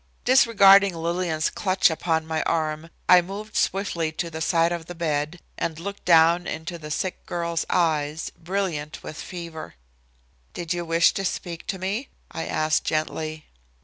Disregarding Lillian's clutch upon my arm I moved swiftly to the side of the bed and looked down into the sick girl's eyes, brilliant with fever. "Did you wish to speak to me?" I asked gently.